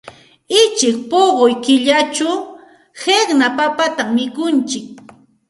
Uchik puquy killachaq qiqna papatam mikuntsik.